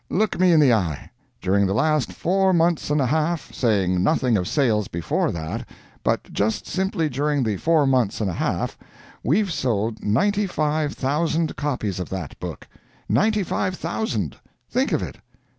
Look me in the eye. During the last four months and a half, saying nothing of sales before that, but just simply during the four months and a half, we've sold ninety five thousand copies of that book. Ninety five thousand! Think of it.